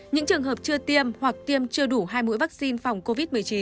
những trường hợp chưa tiêm hoặc tiêm chưa đủ hai mũi vaccine phòng covid một mươi chín